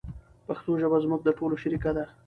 پښتو ژبه زموږ د ټولو شریکه ده.